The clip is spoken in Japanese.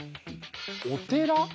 お寺？